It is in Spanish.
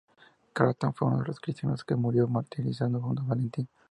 Cratón fue uno de los cristianos que murió martirizado junto a Valentín.